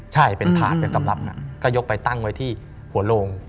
ใช่เป็นถาดเป็นตำรับก็ยกไปตั้งไว้ที่หัวโลง